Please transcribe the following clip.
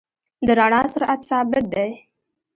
د رڼا سرعت ثابت دی.